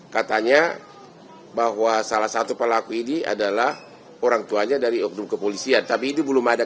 katanya bahwa salah satu pelaku ini adalah orang tuanya dari oknum kepolisian tapi itu belum ada